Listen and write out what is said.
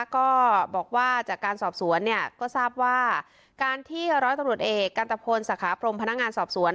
ก็บอกว่าจากการสอบสวนเนี่ยก็ทราบว่าการที่ร้อยตำรวจเอกกันตะพลสาขาพรมพนักงานสอบสวน